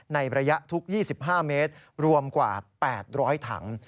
ในระยะทุก๒๕เมตรรวมกว่า๘๐๐ถัง